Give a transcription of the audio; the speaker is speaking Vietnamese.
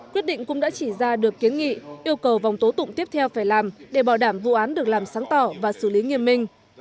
quyết định cũng đã chỉ ra được kiến nghị yêu cầu vòng tố tụng tiếp theo phải làm để bảo đảm vụ án được làm sáng tỏ và xử lý nghiêm minh